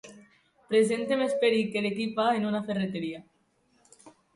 Presente més perill que l'Equip A en una ferreteria.